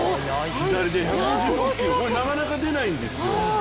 左で１５６キロ、これなかなか出ないんですよ。